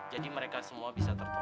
jadi mereka semua bisa tertolong